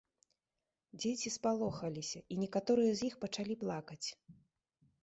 Дзеці спалохаліся, і некаторыя з іх пачалі плакаць.